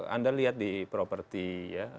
anda lihat di properti ya